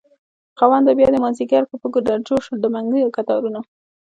خاونده بيادی مازد يګر کړ په ګودر جوړشو دمنګيو کتارونه